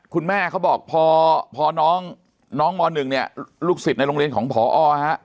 คุณแม่เขาบอกพอพอน้องน้องมหนึ่งเนี่ยลูกศิษย์ในโรงเรียนของพอออฮะ